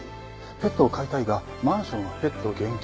ペットを飼いたいがマンションはペット厳禁。